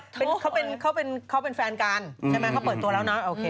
โทรเขาเป็นแฟนการเขาเปิดตัวแล้วนะ